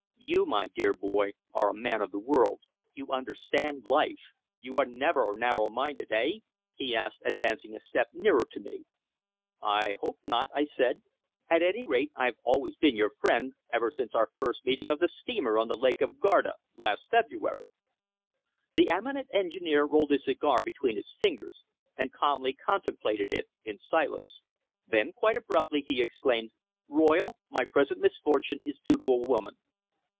You, my dear boy, are a man of the world. You understand life. You are never narrow minded eh?" he asked, advancing a step nearer to me. "I hope not," I said. "At any rate, I've always been your friend, ever since our first meeting on the steamer on the Lake of Garda, last February." The eminent engineer rolled his cigar between his fingers, and calmly contemplated it in silence. Then, quite abruptly, he exclaimed: "Royle, my present misfortune is due to a woman."